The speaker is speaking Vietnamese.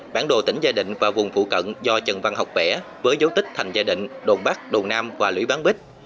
bản đồ tỉnh gia định và vùng phụ cận do trần văn học vẽ với dấu tích thành gia đình đồn bắc đồn nam và lữ bán bích